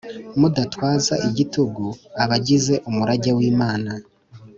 Mudatwaza igitugu abagize umurage w imana